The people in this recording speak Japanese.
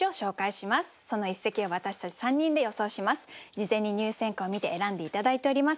事前に入選歌を見て選んで頂いております。